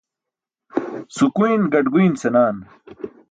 Sukuyn gaṭguyn senaan.